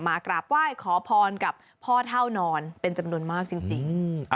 กราบไหว้ขอพรกับพ่อเท่านอนเป็นจำนวนมากจริง